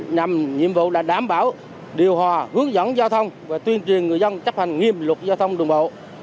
nhằm nhiệm vụ là đảm bảo điều hòa hướng dẫn giao thông và tuyên truyền người dân chấp hành nghiêm luật giao thông đường bộ